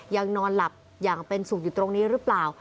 ยังนอนหลับอย่างเป็นสุขอยู่ตรงนี้หรือเปล่า